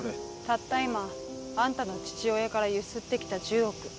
たった今あんたの父親からゆすって来た１０億。